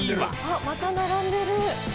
「あっまた並んでる！」